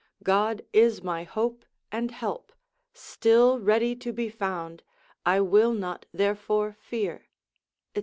God is my hope and help, still ready to be found, I will not therefore fear, &c.